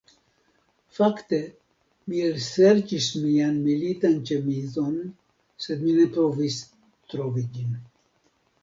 Fakte, mi elserĉis mian militan ĉemizon sed mi ne povis trovi ĝin